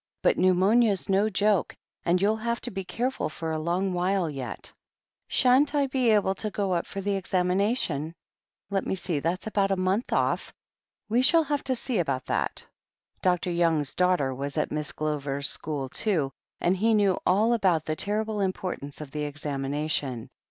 "But pneumonia's no joke, and you'll have to be careful for a long while yet." "Shan't I be able to go up for the examination ?" "Let me see — ^that's about a month off. We shall have to see about that." Dr. Young's daughter was at Miss Glover's school, too, and he knew all about the terrible importance of the examination.